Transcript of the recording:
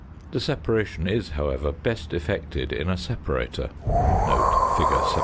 The separation is, however, best effected in a separator (fig. 75).